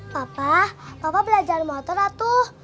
papa papa belajar motor lah tuh